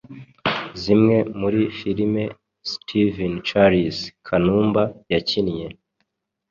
zimwe muri filime Steven Charles Kanumba yakinnye